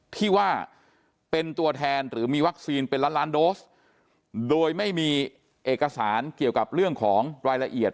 ที่ว่าเป็นตัวแทนหรือมีวัคซีนเป็นล้านล้านโดสโดยไม่มีเอกสารเกี่ยวกับเรื่องของรายละเอียด